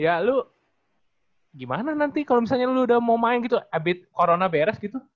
ya lu gimana nanti kalau misalnya lo udah mau main gitu abis corona beres gitu